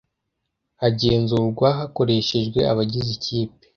hagenzurwa hakoreshejwe abagize ikipe